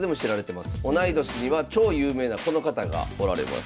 同い年には超有名なこの方がおられます。